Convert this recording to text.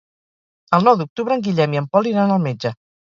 El nou d'octubre en Guillem i en Pol iran al metge.